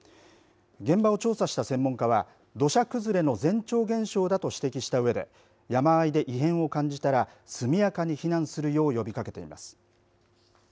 現場を調査した専門家は土砂崩れの前兆現象だと指摘したうえで山あいで異変を感じたら速やかに避難するよう呼びかけています。